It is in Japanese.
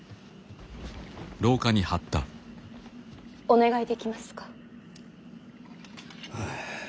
お願いできますか。